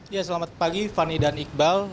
ya selamat pagi fani dan iqbal